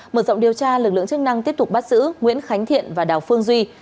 mở rộng điều tra lực lượng chức năng tiếp tục bắt giữ nguyễn khánh thiện và đào phương duy